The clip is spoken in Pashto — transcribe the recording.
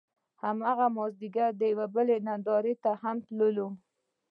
هغه مازیګر د بلۍ نندارې ته هم تللو